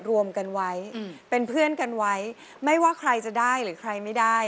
รวมกันไว้เป็นเพื่อนกันไว้ไม่ว่าใครจะได้หรือใครไม่ได้